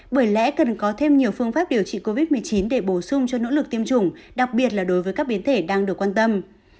bởi lẽ cần có thêm nhiều phương pháp điều trị covid một mươi chín để bổ sung cho nỗ lực tiêm chủng đặc biệt là đối với các biến thể đang được quan tâm